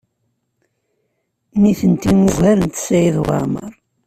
Nitenti ugarent Saɛid Waɛmaṛ.